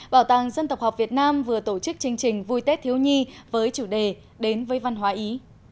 bảo tàng dân tộc học việt nam vừa tổ chức chương trình vui tết thiếu nhi với chủ đề đến với văn hóa ý